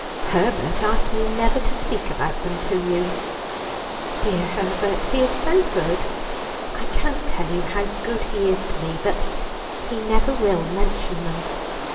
"Herbert asked me never to speak about them to you." "Dear Herbert, he is so good I can't tell you how good he is to me but he never will mention them.